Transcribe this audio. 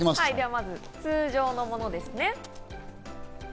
まず通常のものですね。